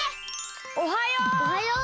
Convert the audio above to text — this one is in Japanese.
おはよう！